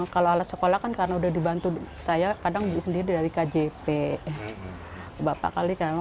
kalau alat sekolah dia akan diundang ke rumah sarono